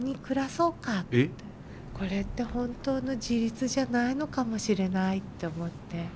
これって本当の自立じゃないのかもしれないって思って。